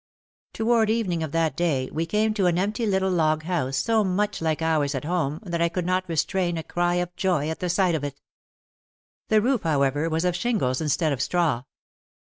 Toward evening of that day we came to an empty little log house so much like ours at home that I could not restrain a cry of joy at the sight of it. The roof, however, was of shingles instead of straw.